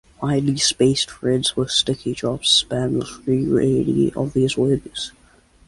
Widely spaced threads with sticky drops span the three radii of these webs.